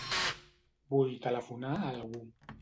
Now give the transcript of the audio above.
Vull telefonar a algú.